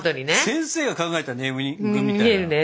先生が考えたネーミングみたいな気がするよね。